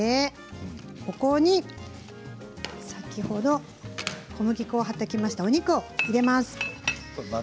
ここに先ほど小麦粉をはたきましたお肉を入れます。